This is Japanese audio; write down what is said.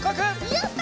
やった！